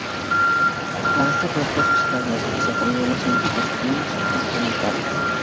La bestia aplastó sus cráneos y se comió sus intestinos y genitales.